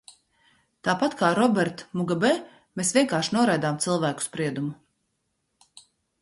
Tāpat kā Robert Mugabe mēs vienkārši noraidām cilvēku spriedumu.